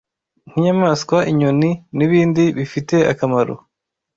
nk’inyamaswa inyoni n’ibindibifiteakamaro